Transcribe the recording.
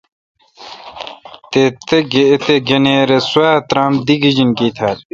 تے°گنیر اے°سوا ترامدی گجینکی تھال۔